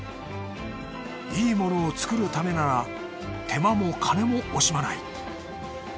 いいものを作るためなら手間も金も惜しまない。